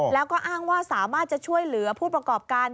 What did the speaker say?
แล้วก็อ้างว่าสามารถจะช่วยเหลือผู้ประกอบการ